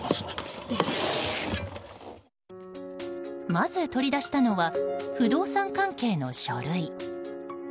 まず、取り出したのは不動産関係の書類。